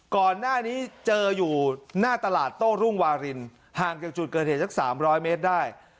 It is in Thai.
ก่อนหน้านี้เจออยู่หน้าตลาดโต้รุ่งวารินห่างจากจุดเกิดเหตุสัก๓๐๐เมตรได้